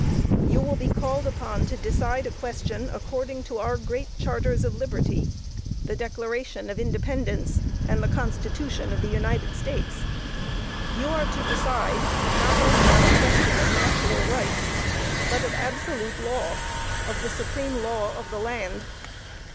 You will be called upon to decide a question according to our great charters of liberty the Declaration of Independence and the Constitution of the United States. You are to decide, not only on a question of natural right, but of absolute law, of the supreme law of the land.